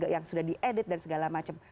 yang sudah di edit dan segala macam